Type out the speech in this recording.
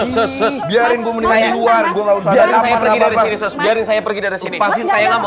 saya pergi dari sini saya pergi dari sini